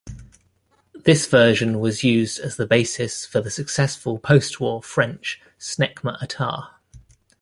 This version was used as the basis for the successful post-war French Snecma Atar.